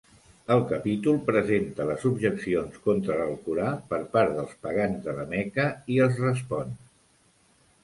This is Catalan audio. El capítol presenta les objeccions contra l'Alcorà per part dels pagans de la Meca, i els respon.